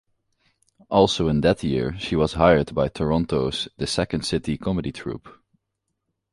Also in that year she was hired by Toronto's The Second City comedy troupe.